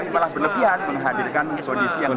dan beranggapannya menghadirkan semangat